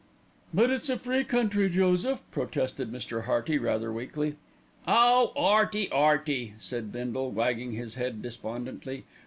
"But it's a free country, Joseph," protested Mr. Hearty rather weakly. "Oh! 'Earty, 'Earty!" said Bindle, wagging his head despondently.